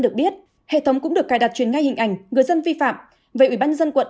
được biết hệ thống cũng được cài đặt truyền ngay hình ảnh người dân vi phạm về ủy ban dân quận